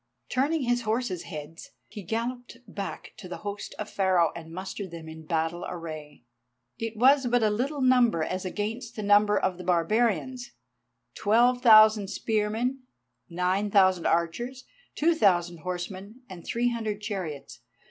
Turning his horses' heads, he galloped back to the host of Pharaoh and mustered them in battle array. It was but a little number as against the number of the barbarians—twelve thousand spearmen, nine thousand archers, two thousand horsemen, and three hundred chariots.